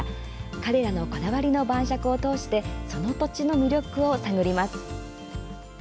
彼らのこだわりの晩酌を通してその土地の魅力を探ります。